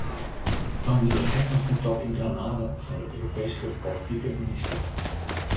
Dan wie der ek noch dy top yn Granada fan de Europeeske Politike Mienskip.